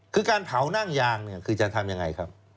คือการเผานั่งยางเนี่ยคือจะทำยังไงครับ